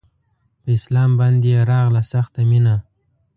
په اسلام باندې يې راغله سخته مينه